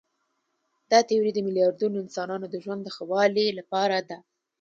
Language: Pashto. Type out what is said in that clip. دا تیوري د میلیاردونو انسانانو د ژوند د ښه والي لپاره ده.